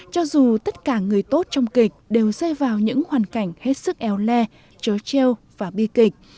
cho dù tất cả người tốt trong kịch đều dây vào những hoàn cảnh hết sức eo le trớ treo và bi kịch